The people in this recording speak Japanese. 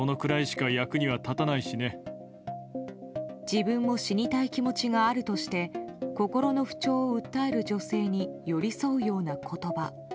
自分も死にたい気持ちがあるとして心の不調を訴える女性に寄り添うような言葉。